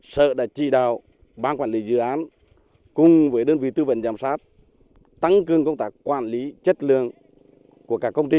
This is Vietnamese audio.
sở đã chỉ đạo ban quản lý dự án cùng với đơn vị tư vấn giám sát tăng cường công tác quản lý chất lượng của các công trình